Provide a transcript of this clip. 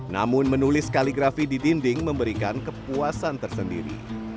namun menulis kaligrafi di dinding memberikan kepuasan tersendiri